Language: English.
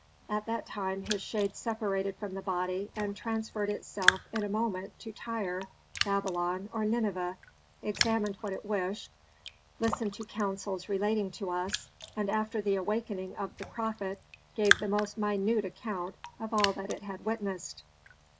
At that time his shade separated from the body and transferred itself in a moment to Tyre, Babylon, or Nineveh, examined what it wished, listened to counsels relating to us, and after the awakening of the prophet gave the most minute account of all that it had witnessed.